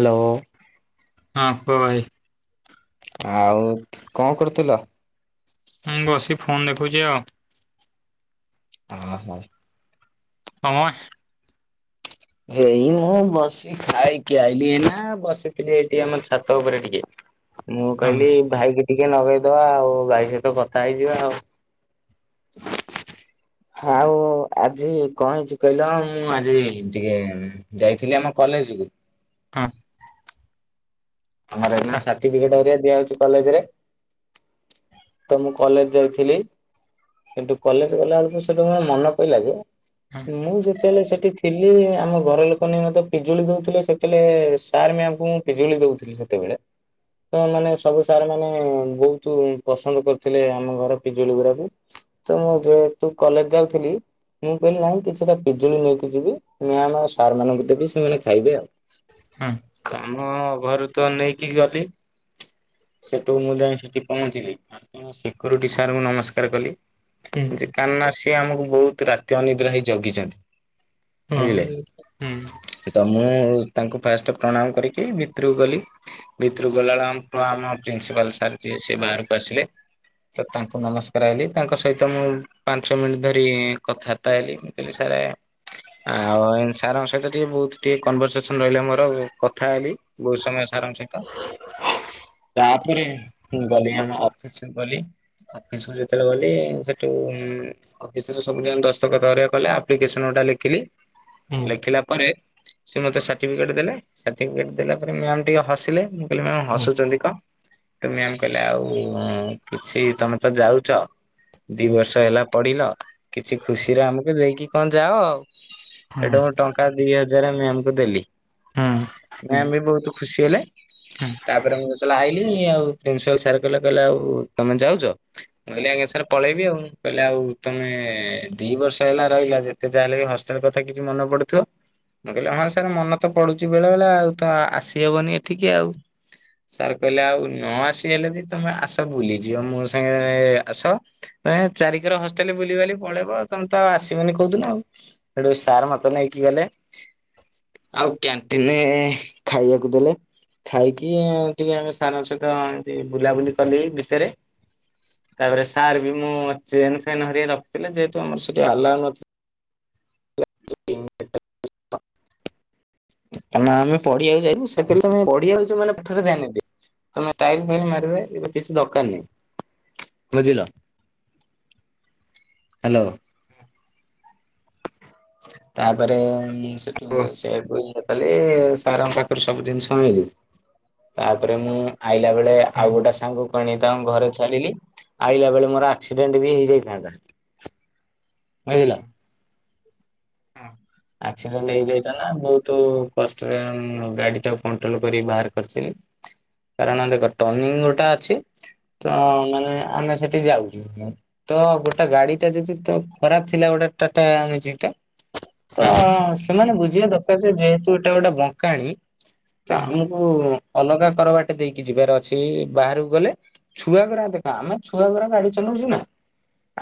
Hello ହଁ କୁହ ଭାଇ। ଆଉ କଣ କରୁଥିଲ? ମୁଁ ବସି ଫୋନ ଦେଖୁଛି ଆଉ। ଓ ହୋ। [unintelligible] ଏଇ ମୁଁ ବସି ଖାଇକି ଆଇଲି ଏଇନା ବସିଥିଲି ଏଇଠି ଆମ ଛାତ ଉପରେ ଟିକେ। ମୁଁ ହଁ କହିଲି ଭାଇକି ଟିକେ ନଗେଇଦବା ଆଉ ଭାଇ ସହିତ କଥା ହେଇଯିବା ଆଉ। ଆଉ ଆଜି କଣ ହେଇଛି କହିଲ, ମୁଁ ଆଜି ଟିକେ ଯାଇଥିଲି ଆମ କଲେଜକୁୁ ହଁ। ଆମର ହେଲା ତା ସାର୍ଟିଫିକେଟ୍ ହରିକା ଦିଆ ହଉଛି କଲେଜରେ ତ ମୁଁ କଲେଜ ଯାଇଥିଲି, କିନ୍ତୁ କଲେଜ ଗଲା ବେଳକୁ ସେଉଠୁ ମୋର ମନେ ପଇଲା ଯେ ହଁ ମୁଁ ଯେତେବେଳେ ସେଠିି ଥିଲି ଆମ ଘର ଲୋକମାନେ ମତେ ପିଜୁଳି ଦେଉଥିଲେ, ସେତେବେଳେ ସାର୍ ମ୍ୟାମ୍ ମୁଁ ପିଜୁଳି ଦେଉଥିଲି ସେତେବେ ଳେ ତ ମାନେ ସବୁ ସାର୍ ମାନେ ବହୁତ ପସନ୍ଦ କରୁଥିଲେ ଆମ ଘର ପିଜୁଳି ଗୁଡାକୁ, ତ ମୁଁ ଯେତୁ କଲେଜ ଯାଉଥିଲି ମୁଁ କହିଲି ନାଇ କିଛିଟା ପିଜୁଳି ନେଇକି ଯିବି, ମ୍ୟାମ ଆଉ ସାର୍ ମାନଙ୍କୁ ଦେବି ସେମାନେ ଖାଇବେ ଆଉ। ହଁ ତ ଆମ ଘରୁ ତ ନେଇକି ଗଲି ସେଠୁ ମୁଁ ଯାଇ ସେଠି ପହଞ୍ଚିଲି ଶ ସାର୍ଙ୍କୁ ନମସ୍କାର କଲି ହୁଁ ସେି ଆମକୁ ବହୁତ ରାତି ଅନିଦ୍ରା ହେଇ ଜଗିଛନ୍ତି ହଁ ବୁଝିଲେ ହୁଁ ତ ମୁଁ ତାଙ୍କୁ ଫାଷ୍ଟ ପ୍ରଣାମ କରିକି ଭିତରକୁ ଗଲି ଭିତରୁକୁ ଗଲାବେେଳେ ଆମ ପ୍ରିନ୍ସିପାଲ ସାର୍ ଯିଏ ସେ ବାହାରକୁ ଆସିଲେ ତ ତାଙ୍କୁ ନମସ୍କାର ହେଇଲି ତାଙ୍କ ସହିତ ମୁଁ ପାଞ୍ଚ ମିନିଟ୍ ଧରି କଥାବାର୍ତ୍ତା ହେଲି ମୁଁ କହିଲି ସାର୍ ରେ ଆଉ ସାର୍ଙ୍କ ସହିତ ଟିକେ ବହୁତ ଟିକେ କନଭରସେସନ ରହିଲେ ମୋର କଥା ହେଲି ବହୁତ ସମୟ ସହି ତାପରେ ଗଲି ଆମ ଅଫିସ ଗଲି ଅଫିସୁ ଯେତେବେଳେ ଗଲେ ସେଠୁ ଅଫିସ ର ସବୁ ଦସ୍ତକ କଲେପ୍ିକସନ ଗଟ ଲେଖିଲି ହୁଁ ହୁଁ ଲେଖିଲା ପରେ ସେ ମତେ ସତିଫିକେଟ ଦେଲେ ଦେଲା ପରେ ମ ଟିକେ ହିଲେ ମୁ କହିଲି ମ ହସୁ କ ତୁମେ ଆମ କହିଲେ ଆଉ କିଛି ତମେ ତ ଯାଉଛ ଦି ବର୍ଷ ହେଲା ପଡିଲ କିଛି ଖୁସିରେ ଆମକୁ ଦେଇକି କଣ ଯାଅ ଆଉ ଏଠା ମୁଁ ଟଙ୍କା ଦି ହଜାର ମୁ ଆମକୁ ଦେଲି ହୁଁ ହୁଁ ହୁଁ। ମ୍ୟାାମ ବି ବହୁତ ଖୁସି ହେଲେ ତାପରେ ମୁଁ ଯେତେବେଳେ ଆଇଲି ଆଉ ପ୍ରିନ୍ସିପାଲ ସାର୍ କହିଲ କହିଲେ ଆଉ ତମେ ଯାଉଛ ମୁଁ କହିଲି ଆଜ୍ଞା ସାର୍ ପଳେଇବି ଆଉ କହିଲେ ଆଉ ତମେ ଦି ବର୍ଷ ହେଲା ରହିଲା ଯେତେ ଯାହା ହେଲେ ବି ହଷ୍ଟେଲ କଥା କିଛି ମନ ପଡୁଥିବ ମୁଁ କହିଲି ହଁ ସାର୍ ମନ ତ ପଡୁଛି ବେଳେ ବେଳେ ଆଉ ତ ଆସିହବନି ଏଠିକି ଆଉ ସାର୍ କହିଲେ ଆଉ ନ ଆସି ହେଲେ ବି ତମେ ଆସ ବୁଲିଯିବ ମୋ ସାଙ୍ଗେ ଆସ ଚାରିଖର ହଷ୍ଟେଲ ବୁଲିବାଲି ପଳେଇବ ତମେ ତ ଆଉ ଆସିବନି କହୁଥିଲନ ଆଉ ସେଠୁ ସାର୍ ମତେ ନେଇକି ଗଲେ ଆଉ କ୍ୟାଣ୍ଟିନ ଖାଇବାକୁ ଦେଲେ ଖାଇକି ଟିକେ ଆମେ ସାରଙ୍କ ସହିତ ଏମତି ବୁଲାବୁଲି କଲେେଇ ଭିତରେ ତାପରେ ସାର୍ ବି ମୁଁ ଚେନ୍ ଫେନ୍ ହର ରଖିଥିଲି ଯେହେତୁ ଆମର ସେଠି ଆଲା ନଥିଲା [unintelligible] କ ଆମେ ପଢଆକୁ ଯଛୁେ ପଆଛ ମାନେ ପରେ ଯାଇହା ତମେ ଖ ମାରିବ ଏବେ କିଛି ଦରକାର ନାହି ବୁଝିଲ ହ୍ୟାଲୋ। ତାପରେ ମୁଁ ସେଠୁ ସେ ତାେଲେ ସାର୍ଙ୍କ ପାଖରେ ସବୁ ଜିନିଷ ଆଇଲି ତାପରେ ମୁଁ ଆଇଲା ବେଳେ ଆଉ ଗୋଟେ ସାଙ୍ଗ କିଣେଇଥାଉ ଘରେ ଚାଲିଲି ଆଇଲା ବେଳେ ମୋ ଆକ୍ସିଡେଣ୍ଟ ବି ହେଇଯାଇଥାନ୍ତା ବୁଝିଲ ହଁ। ଆକ୍ସିଡେଣ୍ଟ ହେଇଯାଇଥା ନା ବହୁତ କଷ୍ଟରେ ଗାଡି ଟା କଣ୍ଟ୍ରୋଲ କରି ବାହାର କରିଥିଲି [unintelligible] କାରଣ ଦେଖ ଟର୍ନିଂ ଗୋଟେ ଅଛି ତ ମାନେ ଆମେ ସେଠି ଯାଉଛୁ ତ ଗୋଟେ ଗାଡି ଟା ଯଦି ତ ଖରାପ ଥିଲା ଗୋଟେ ଟଟା ଆଛିଟା ତ ସେମାନେ ବୁଝିବା ଦରକାର ଯେ ଯେହେତୁ ଏଇଟା ଗୋଟେ ବଙ୍କାଣୀ ତ ଆମକୁ ଅଲଗା କର ବାଟେ ଦେଇକି ଯିବାର ଅଛି ବାହାରକୁ ଗଲେ ଛୁଆଗର ଦେଖ ଆମେ ଛୁଆ ଘର ଗାଡି ଚଲୁ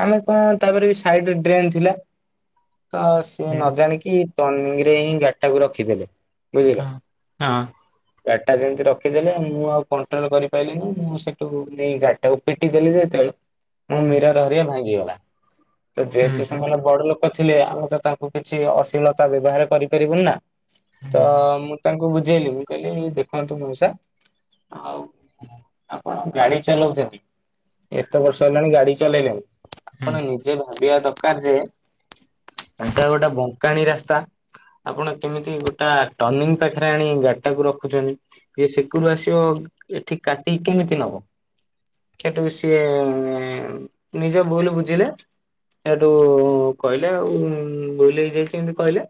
ଆମେ କଣ ତାପରେ ବି ସାଇଡରେ ଡ୍ରେନ ଥିଲା। ସେ ନ ଜାଣିକି ଟନିଙ୍ଗରେ ହିଁ ଗାଡଟାକୁ ରଖିଦେଲେ। ବୁଝିଲ ହଁ। ଗାଡି ଯେମିତି ରଖିଦେଲେ ମୁଁ ଆଉ କଣ୍ଟ୍ରୋଲ କରିପାଇଲିନି, ମୁଁ ସେଠୁ ନେଇ ଗାଡ଼ିଟାକୁ ଟାକୁ ପିଟିଦେଲି ଯେତେବେଳେ ମୁଁ ମୀର ରହରିଆ ଭାଙ୍ଗିଗଲା। ତ ଯେହେତୁ ସେମାନେ ବଡଲୋକ ଥିଲେ ଆମେ ତ ତାଙ୍କୁ କିଛି ଅଶ୍ଳୀଳତା ବ୍ୟବହାର କରିପାରିବୁନି ନା। ତ ମୁଁ ତାଙ୍କୁ ବୁଝେଇଲି ମୁଁ କହିଲି ଦେଖନ୍ତୁ ମଉସା। ଆଉ ଆପଣ ଗାଡି ଚଲଉଛନ୍ତି। ଏତେ ବର୍ଷ ହେଲାଣି ଗାଡି ଚଲେଇଲେଣି। ଆପଣ ନିଜେ ଭାବିବା ଦରକାର ଯେ ଏଟା ଗୋଟେ ବଙ୍କାଣୀ ରାସ୍ତା ଆପଣ କେମିତି ଗୋଟା ଟର୍ନିଂ ପାଖରେ ଆଣି ଗାଡିଟାକୁ ରଖୁଛନ୍ତି? ଯେ ସେକରୁ ଆସିବ ଏଠି କାଟିିକି କେମିତି ନବ? ସେଠୁ ସିଏ ନିଜ ଭୁଲ ବୁଝିଲେ ସେଠୁ କହିଲେ ଆଉ ଭୁଲ୍ ହେଇଯାଇଛି ଏମତି କହିଲେ।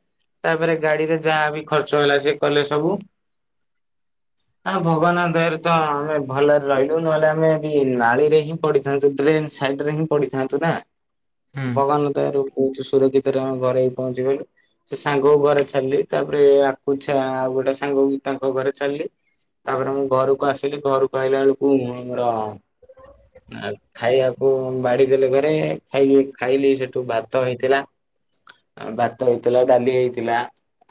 ତାପରେ ଗାଡିରେ ଯାହା ବି ଖର୍ଚ୍ଚ ହେଲା ସେ କଲେ ସବୁ ହଁ ଭଗବାନଙ୍କ ଦୟାରୁ ତ ଆମେ ଭଲରେ ରହିଲୁ ନହେଲେ ଆମେ ବି ନାଳି ରେ ହିଁ ପଡିଥାନ୍ତୁ ଡ୍ରେନ୍ ସାଇଡରେ ହିଁ ପଡିଥାନ୍ତୁ ନା ଭଗବାନଙ୍କ ଦୟା ରୁ ବହୁତ୍ ସୁରକ୍ଷିତ ରେ ଆମ ଘରେ ବି ପହଞ୍ଚିଗଲୁ। ସେ ସାଙ୍ଗ ଘରେ ଛଡିଲି ତାପରେ ଆକୁ ଆଉ ଗୋଟେ ସାଙ୍ଗ ତାଙ୍କ ଘରେ ଛଡିଲି। ତାପରେ ମୁଁ ଘରକୁ ଆସିଲି ଘରକୁ ଆସିଲା ବେଳକୁ ମର ଆଉ ଖାଇବାକୁ ବାଡି ଦେଲେ ଘରେ ଖାଇ ଖାଇଲି। ସେଠୁ ଭାତ ହେଇଥିଲା। ଭାତ ହେଇଥିଲା ଡାଲି ହେଇଥିଲା।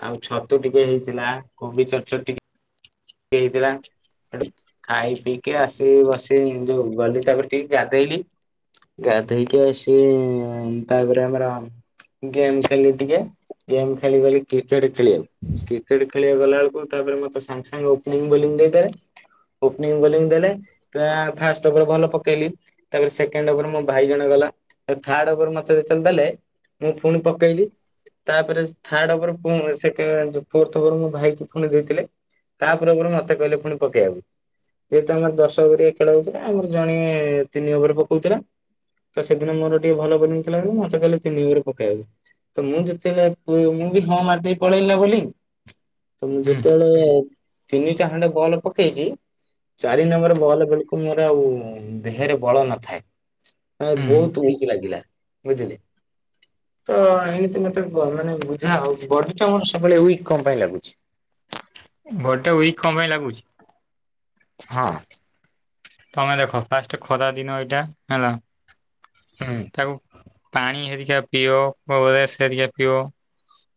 ଆଉ ଛତୁ ଟିକେ ହେଇଥିଲା କୋବି ଚଡଚଡ଼ି ଟିକେ କେ ହେଇଥିଲା। ଠୁ ଖାଇପିଇକି ଆସି ବସି ଯୋଉ ଗଲି ତାପରେ ଟିକେ ଗାଧେଇଲି। ଗାଧେଇକି ଆସି ତାପରେ ଆମର ଗେମ୍ ଖେଲି ଟିକେ ଗେମ୍ ଖେଳି ଗଲି କ୍ରିକେଟ ଖେଳିବାକୁ। କ୍ରିକେଟ ଖେଳିବାକୁ ଗଲା ବେଳକୁ ତ ପରେ ମତେ ସାଙ୍ଗ ସାଙ୍ଗ ଓପନିଙ୍ଗ ବଲିଙ୍ଗ ଦେଇଦେଲେ। ଓପ୍ନିଙ୍ଗ ବୋଲିଁ ଦେଲେ, ଫାଷ୍ଟ ଓଭର୍ ଭଲ ପକେଇଲି ତାପରେ ସେକଣ୍ଡର ଓଭର ମୋ ଭାଇ ଜଣେ ଲା ଠୁ ଥାର୍ଡ ଓଭର୍ ମତେ ଯେତେବେଳେ ଦେଲେ ମୁଁ ଫୁଣି ପକେଇଲି। ତାପରେ ଥାର୍ଡ ଓଭର୍ ପୁଣି ସେକେଣ୍ଡ ଜଉ ଫୋର୍ଥ ଓଭର୍ ମୋ ଭାଇକୁ ଫୁଣି ଦେଇଥିଲେ। ତା ପୂର୍ବରୁ ମତେ କହିଲେ ପୁଣି ପକେଇଆକୁ। ଯେହେତୁ ଆମର ଦଶ ଓଭରିଆ ଖେଳ ହଉଥିଲା ଆମର ଜଣିଏ ତିନି ଓଭର ପକଉଥିଲା। ତ ସେଦିନ ମୋର ଟିକେ ଭଲ ବୋଲିଙ୍ଗ ଥିଲା ବୋଲି ମତେ କହିଲେ ତିନି ଓଭର ପକେଇବାକୁ ତ ମୁଁ ଯେତେବେଳେ ମୁଁ ବି ହଁ ମାରିଦେଇ ପଳେଇଲି ନା ବୋଲିଙ୍ଗ ତ ମୁଁ ଯେତେବେଳେ ତିନିଟା ହାଣ୍ଡେ ବଲ ପକେଇଛି ଚାରି ନମ୍ବର ବଲ ବେଳକୁ ମୋର ଆଉ ଦେହେରେ ବଳ ନଥାଏ। ହଁ ବହୁତ ୱିକ୍ ଲାଗିଲା ବୁଝିଲେ। ତ ଏମିତି ମତେ ବ ମାନେ ବୁଝା ହଉଛି ବଡିଟା ମୋର୍ ସବୁବେଳେ ୱିକ୍ କଣ ପାଇଁ ଲାଗୁଛି? ବଡିଟା ୱିକ କଣ ପାଇଁ ଲାଗୁଛି? ହଁ ତମେ ଦେଖ ଫାର୍ଷ୍ଟ ଖରାଦିନ ଏଇଟା, ହେଲା। ହୁଁ ତାକୁ ପାଣି ହେରିକା ପିଅ ଓଆର୍ସ୍ ହେରିକା ପିଅ।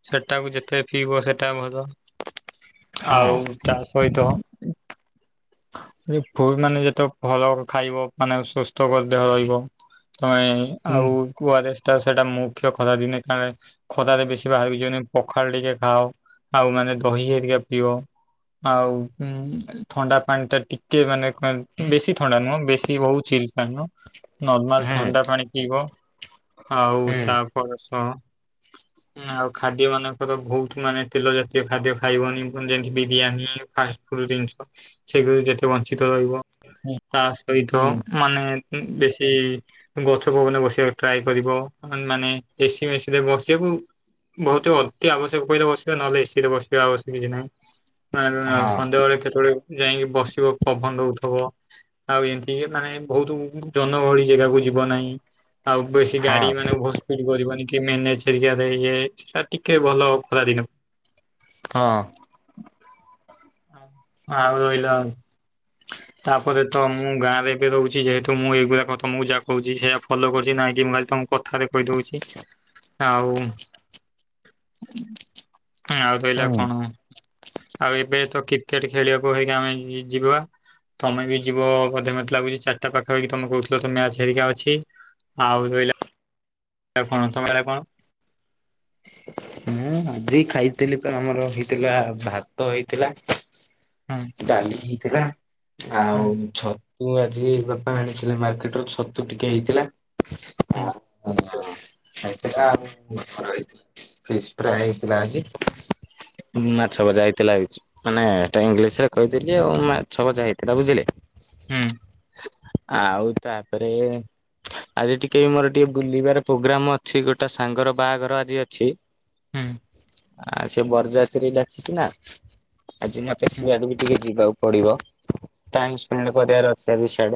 ସେଟାକୁ ଯେତେ ପିଇବ ସେଟା ଭଲ। ହଁ। ଆଉ ତା ସହିତ ପୁ ମାନେ ଯେ ତ ଭଲ ଖାଇବ ମାନେ ସୁସ୍ଥ କରି ଦେହ ରହିବ ତମେ ହୁଁ। ଆଉ କୁଆଡେ ସେଇଟା ମୁଖ୍ୟ ଖରାଦିନେ କାରଣ ଖରାରେ ବେଶୀ ବାହାରୁକୁ ଯିଅନି ପଖାଳ ଟିକେ ଖାଅ। ଆଉ ମାନେ ଦହି ହେରୀକା ପିଅ। ଆଉ ଥଣ୍ଡାପାଣିଟା ଟିକେ ମାନେ କ ବେଶୀ ଥଣ୍ଡା ନୁହଁ ବେଶୀ ବହୁତ ଚିଲ ପାଣି ନୁହଁ ନର୍ମାଲ ହୁଁ ଥଣ୍ଡା ପାଣି ପିଇବ। ଆଉ ତାପର ସହ [inaudible] ଆଉ ଖାଦ୍ୟ ମାନଙ୍କର ବହୁତ ମାନେ ତେଲ ଜାତୀୟ ଖାଦ୍ୟ ଖାଇବନି, ଯେମିତି ବିରିୟାନୀ ଫାର୍ଷ୍ଟ ଜିନିଷ ସେ ଯେତେ ବଞ୍ଚିତ ରହିବ। ହୁଁ ତା ସହିତ ହୁଁ ମାନେ ବେଶୀ ଗଛ ପବନେ ବସିବାକୁ ଟ୍ରାଏ କରିବ, ମାନେ ଏସି ମେସିରେ ବସିବାକୁ ବହୁତ ଅତି ଆବଶ୍ୟକ ପଇଲେ ବସିବା, ନହେଲେ ଏସିି ରେ ବସିବା ଆବଶ୍ୟକ କିଛି ନାହିଁ। ଆଁ, ହଁ ସନ୍ଧ୍ୟାବେଳେ କେତେବେଳେ ଯାଇକି ବସିବ ପବନ ଦଉଥି ହବ ଆଉ ଏମତି ମାନେ ବହୁତ ଜନଗହଳି ଜାଗାକୁ ଯିବ ନାହିଁ। ଆଉ ବେଶୀ ହଁ ଗାଡି ମାନେ ଓଭର ସ୍ପିଡ କରିବନି। ମରେ ଇ [unintelligible] ଟିକେ ଭଲ ଖରାଦିନ। ହଁ ହଁହିଲ [unintelligible] ତାପରେ ତ ମୁଁ ଗାଁ ରେ ଏବେ ରହୁଛି, ଯେହେତୁ ମୁଁ ଏଇଗୁଡା କଥା ମୁଁ ଯାହା କହୁଛି, ସେଇୟା ଫଲୋ କରୁଛି। ନାଇଁ କି ମୁଁ ଖାଲି ତମକୁ କଥାରେ କହିଦଉଛି ଆଉ ଆଉ ରହିଲା ହୁଁ କଣ? ଆଉ ଏବେ ତ କ୍ରିକେଟ ଖେଳିବାକୁ ହେକି ଆମେ ଯିବା ତମେ ବି ଯିବ ବୋଧେ ମତେ ଲାଗୁଛି ଚାରିଟା ପାଖାପାଖି, ତମେ କହୁଥିଲ ତ ମ୍ୟାଚ ହେରିକା ଅଛି। ଆଉ ରଇଲା କଣ? ତମେଲା କଣ? ମୁଁ ଆଜି ଖାଇଥିଲି, ଆମର ହେଇଥିଲା ଭାତ ହେଇଥିଲା ହୁଁ ଡାଲି ହେଇଥିଲା, ହୁଁ ଆଉ ଛ ତୁ, ଆଜି ବାପା ଆଣିଥିଲେ ମାର୍କେଟ ରୁ ଛତୁ ଟିକେ ହେଇଥିଲା। ହୁଁ ହ ଆତ କା ଫିଶ ଫ୍ରାଇ [unintelligible] ଥିଲା ମାଛ ବଜା ହେଇଥିଲା, ମାନେ ଏଟା ଇଂଲିଶ ସେ କହିଦେଲି ଆଉ, ମାଛଭଜା ହେଇଥିଲା ବୁଝିଲେ ହୁଁ ଆଉ ତାପରେ ଆଜି ଟିକେ ବି ମୋର ଟିକେ ବୁଲିବାର ପ୍ରୋଗ୍ରାମ ଅଛି, ଗୋଟେ ସାଙ୍ଗର ବାହାଘର ଆଜି ଅଛି ହୁଁ ଆ ସେ ବରଯାତ୍ରୀ ଡାକିଛି ନା? ଆଜି ମତେ ହୁଁ ସିଆଡେ ବି ଟିକେ ଯିବାକୁ ପଡିବ। ଟାଇ ସ୍ପେଣ୍ଡ କରିବାର ଅଛି ଆଡେ ଟେ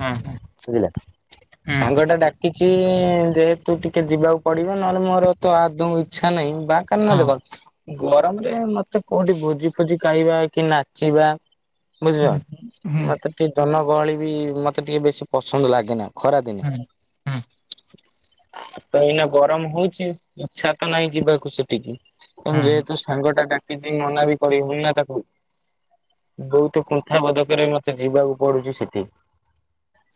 ହୁଁ ହଁ ହଁ ସାଙ୍ଗ ଟା ଡାକିଛି ଯେହ ତୁ ଟିକେ ଯିବାକୁ ପଡିବ, ନହେଲେ ମୋର ତ ଆଦୌ ଇଚ୍ଛା ନାହିଁ, ବା କ ନ ହଁ ହଁ ଦେ କ ଗରମରେ ମତେ କୋଉଠି ଭୋଜି ଫୋଜି ଖାଇବା କି ନାଚିବା ହୁଁ ହୁଁ ବୁଝିପ ମତେ ଟିକେ ଜନଗହଳି ବି ମତେ ଟିକେ ବେଶୀ ପସନ୍ଦ ଲାଗେନା। ଖରାଦିନେ ହୁଁ ତ ଏଇନା ଗରମ ହଉଛି, ଇଚ୍ଛା ତ ନାହିଁ ଯିବାକୁ ସେଠିକି ଏବଂ ହୁଁ ଯେହେତୁ ସାଙ୍ଗଟା ଡାକିଛି, ମନା ବି କରି ହଉନି ନା ତାକୁ ବହୁତ କୁନ୍ଥା ବଦକରେ ମତେ ଯିବାକୁ ପଡୁଛି ସେଠି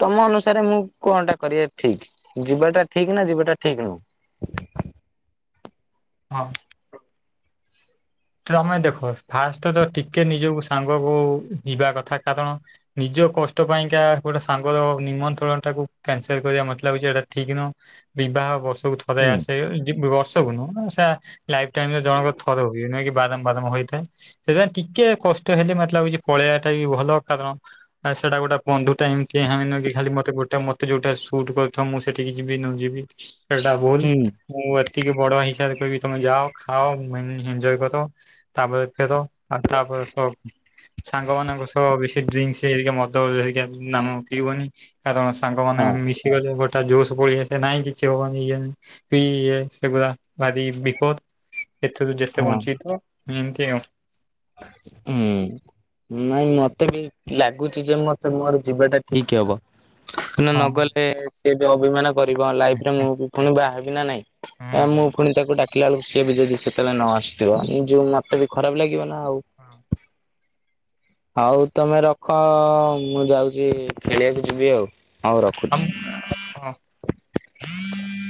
ତମ ଅନୁସାରେ ମୁଁ କଣ ଟା କରିବା ଠିକ, ଯିବାଟା ଠିକ ନା ଯିବାଟା ଠିକ ନୁହଁ? [unintelligible] ହଁ ତମେ ଦେଖ ଫାଷ୍ଟ ତ ଟିକେ ନିଜକୁ ସାଙ୍ଗକୁ ଯିବା କଥା, କାରଣ ନିଜ କଷ୍ଟ ପାଇଁକା ଗୋଟେ ସାଙ୍ଗର ନିମନ୍ତ୍ରଣ ଟାକୁ କ୍ୟାନସଲ କରିବା ମତେ ଲାଗୁଛି ଏଇଟା ଠିକ ନୁହଁ। ବିବାହ ବର୍ଷକୁ ଥରେ ହୁଁ ଆସେ, ବର୍ଷକୁ ନୁହଁ, ସେ ଲାଇଫ ଟାଇମରେ ଜଣଙ୍କର ଥର ହୁଏ। ନଁ ବାରମ୍ ବାରମ୍ ହେଇଥାଏ, ସେଥିପାଇଁ ଟିକେ କଷ୍ଟ ହେଲେ, ମତ ଲାଗୁଛି ପଳେଇବା ଟା ବି ଭଲ। କାରଣ- ସେଟା ଗୋଟେ ବନ୍ଧୁ ଟାଇମ ଖାଲିତେ ଗୋଟେ ମତେ ଯଉଟା ସୁଟ୍ କରିଥିବ, ମୁଁ ସେଠିକି ଯିବି ନ ଯିବି ସେଟା ଭୁଲ, ହୁଁ ମୁଁ ଏତିକି ବଡ ହିସାବରେ କରିବି ତମେ ଯାଅ, ଖାଅ, ଏଜୟ କର ତାପରେ ଫେର, ଆ ତାପରେ ସହ ସାଙ୍ଗ ମାନଙ୍କ ସହ ବେଶୀ ଡ୍ରି ହେ ମ ନାମ ପିିବନି, କାରଣ ସାଙ୍ଗମାନେ ହଁ ମିଶିଗଲେ ଗୋଟେ ତା ଜୋସ୍ ପଳେଇଆସେ, ନାଇଁ କିଛି ହବନି, ଇଏ ପି ସେଗୁଡା ଭାରି ବିପଦ। ହୁଁ [unintelligible] ଯେତେ [unintelligible] ଏମିତି ଆଉ ହୁଁ। ନାଇଁ ମତେ ବି ଲାଗୁଛି ଯେ ମତେ ମୋର ଯିବା ଟା ଠିକ ହବ। ହଁ ନଗଲେ ସିଏ ବି ଅଭିମାନ କରିବ ହୁଁ ଲାଇଫରେ ମୁଁ ପୁଣି ବାହବି ନା ନାଇଁ। ଏ ହୁଁ ମୁଁ ହୁଁ। ପୁଣି ତାକୁ ଡାକିଲା ବେଳକୁ କିଏ ବି ଯଦି ସେତେବେଳେ ନ ଆସୁଥିବ ଯୋଉ ମତେ ବି ଖରାପ ଲାଗିବନି। ହଁ। ହଉ ତମେ ରଖ ମୁଁ ଯାଉଚି ଖେଳିବାକୁ ଯିବି ଆଉ। ହଉ ରଖୁଚି। ଆମ